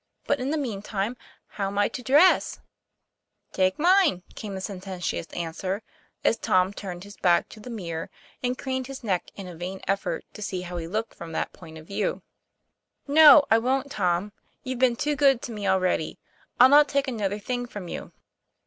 But in the mean time, how am I to dress ?'' Take mine," came the sententious answer, as Tom turned his back to the mirror and craned his neck in a vain effort to see how he looked from that point of view. " No, I won't, Tom; you've been too good to me already. I'll not take another thing from you."